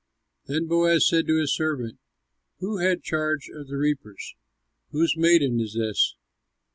Then Boaz said to his servant who had charge of the reapers, "Whose maiden is this?"